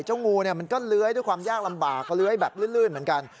งูมันก็เลื้อยด้วยความยากลำบากเลื้อยแบบลื่นเหมือนกัน